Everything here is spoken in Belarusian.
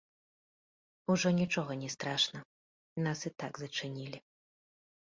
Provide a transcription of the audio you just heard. Ужо нічога не страшна, нас і так зачынілі.